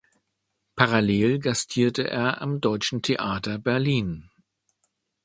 Parallel gastierte er am Deutschen Theater Berlin.